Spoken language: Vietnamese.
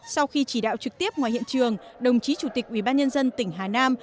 sau khi chỉ đạo trực tiếp ngoài hiện trường đồng chí chủ tịch ubnd tỉnh hà nam